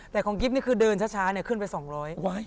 แต่ของกริปนี่คือเดินช้าเนี่ยขึ้นไปสองร้อย